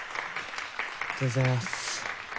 ありがとうございます。